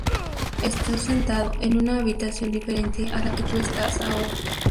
Estoy sentado en una habitación diferente a la que tú estás ahora.